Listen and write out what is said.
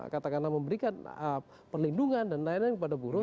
katakanlah memberikan perlindungan dan lain lain kepada buruh